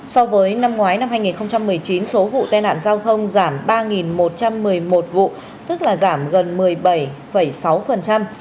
so với năm ngoái năm hai nghìn một mươi chín số vụ te nạn giao thông giảm ba một trăm một mươi một vụ tức là giảm gần một mươi bảy sáu số người chết đã giảm chín trăm hai mươi bốn người giảm một mươi hai một